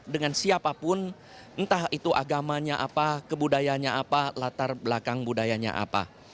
dengan siapapun entah itu agamanya apa kebudayanya apa latar belakang budayanya apa